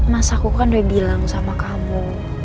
masa aku kan udah bilang sama kamu